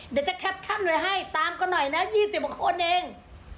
เดี๋ยวจะแคปชัดไว้ให้ตามกันหน่อยนะ๒๐คนเอง